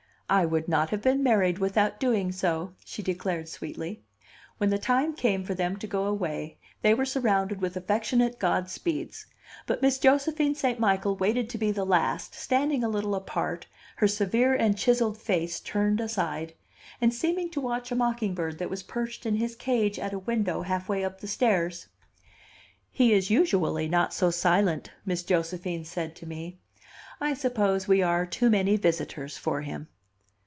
"I would not have been married without doing so," she declared sweetly. When the time came for them to go away, they were surrounded with affectionate God speeds; but Miss Josephine St. Michael waited to be the last, standing a little apart, her severe and chiselled face turned aside, and seeming to watch a mocking bird that was perched in his cage at a window halfway up the stairs. "He is usually not so silent," Miss Josephine said to me. "I suppose we are too many visitors for him."